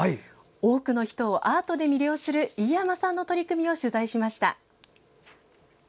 多くの人をアートで魅了する飯山さんの取り組みを取材しました。